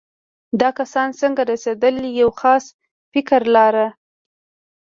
دا کسان څنګه رسېدل یو خاص فکر لاره.